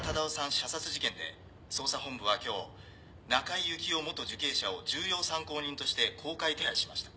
射殺事件で捜査本部は今日中井幸雄元受刑者を重要参考人として公開手配しました」